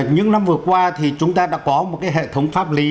những năm vừa qua thì chúng ta đã có một cái hệ thống pháp lý